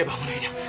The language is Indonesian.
aida bangun aida